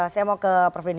saya mau ke prof denn